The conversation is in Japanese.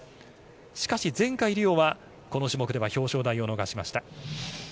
しかし前回、リオではこの種目では表彰台を逃しました。